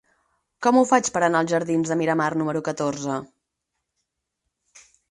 Com ho faig per anar als jardins de Miramar número catorze?